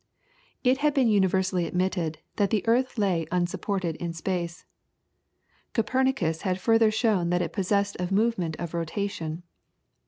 It had been universally admitted that the earth lay unsupported in space. Copernicus had further shown that it possessed a movement of rotation.